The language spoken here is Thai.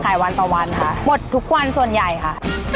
วันต่อวันค่ะหมดทุกวันส่วนใหญ่ค่ะ